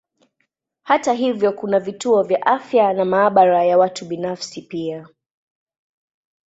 Hata hivyo kuna vituo vya afya na maabara ya watu binafsi pia.